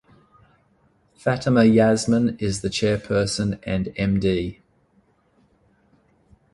Fatima Yasmin is the chairperson and Md.